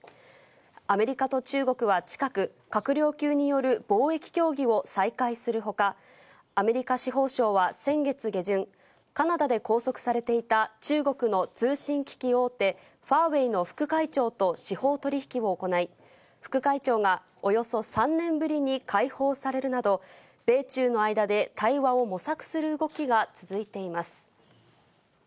アメリカと中国は近く、閣僚級による貿易協議を再開するほか、アメリカ司法省は先月下旬、カナダで拘束されていた中国の通信機器大手、ファーウェイの副会長と司法取引を行い、副会長がおよそ３年ぶりに解放されるなど、米中の間で対話を模索する動きが続いています。